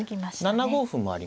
７五歩もあります。